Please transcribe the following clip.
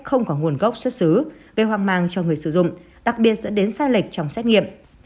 không có nguồn gốc xuất xứ gây hoang mang cho người sử dụng đặc biệt dẫn đến sai lệch trong xét nghiệm